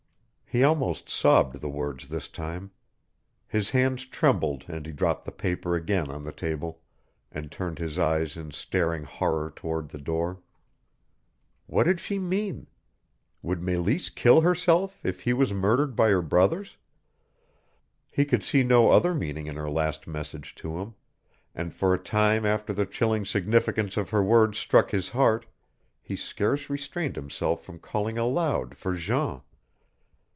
_'" He almost sobbed the words this time. His hands trembled and he dropped the paper again on the table and turned his eyes in staring horror toward the door. What did she mean? Would Meleese kill herself if he was murdered by her brothers? He could see no other meaning in her last message to him, and for a time after the chilling significance of her words struck his heart he scarce restrained himself from calling aloud for Jean.